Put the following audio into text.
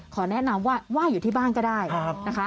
แนะนำว่าว่ายอยู่ที่บ้านก็ได้นะคะ